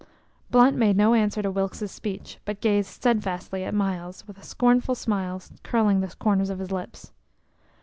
Blunt made no answer to Wilkes's speech, but gazed steadfastly at Myles, with a scornful smile curling the corners of his lips.